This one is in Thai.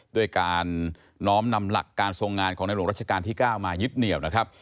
ด้วยการน้อมนำหลักการทรงงานของในหลวงรัชกาลที่๙มายึดเหนียวนะครับ